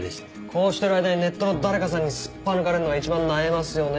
こうしてる間にネットの誰かさんにすっぱ抜かれんのが一番なえますよね。